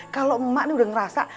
kalo emak nih udah ngerasa